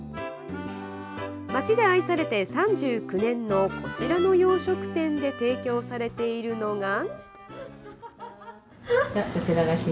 街で愛されて３９年のこちらの洋食店で提供されているのが。